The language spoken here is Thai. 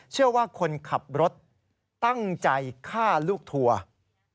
เชื่อว่าคนขับรถตั้งใจฆ่าลูกทัวร์